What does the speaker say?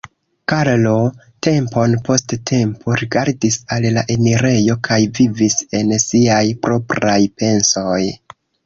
Karlo tempon post tempo rigardis al la enirejo kaj vivis en siaj propraj pensoj.